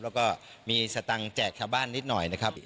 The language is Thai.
แล้วก็มีสตังค์แจกชาวบ้านนิดหน่อยนะครับ